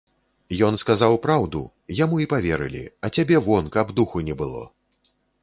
Ён сказаў праўду, яму і паверылі, а цябе вон, каб духу не было.